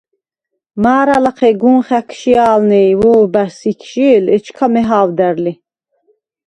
მა̄რა ლახე გუნ ხა̈ქშჲა̄ლვნე ი ვო̄ბა̈შს იქშჲე̄ლ, ეჯა მეჰა̄ვდა̈რ ლი.